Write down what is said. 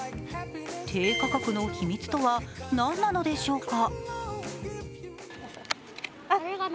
低価格の秘密とは何なのでしょうか。